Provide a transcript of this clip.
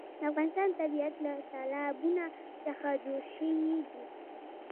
د افغانستان طبیعت له تالابونه څخه جوړ شوی دی.